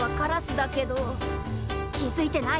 気づいてない。